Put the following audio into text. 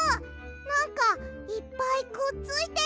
なんかいっぱいくっついてる！